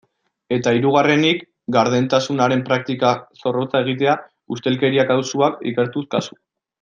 Eta hirugarrenik, gardentasunaren praktika zorrotza egitea, ustelkeria kasuak ikertuz kasu.